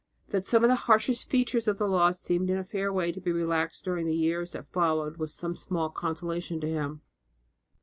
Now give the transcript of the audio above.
That some of the harshest features of the law seemed in a fair way to be relaxed during the years that followed was some small consolation to him.